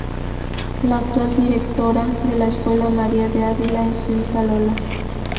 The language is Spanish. La actual directora de la escuela María de Ávila es su hija Lola.